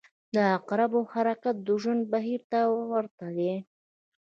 • د عقربو حرکت د ژوند بهیر ته ورته دی.